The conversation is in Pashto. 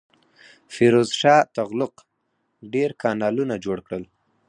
فیروز شاه تغلق ډیر کانالونه جوړ کړل.